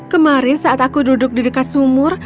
kemarin saat aku duduk di dekat sumur